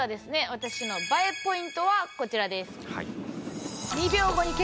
私のＢＡＥポイントはこちらです。